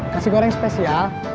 nasi goreng spesial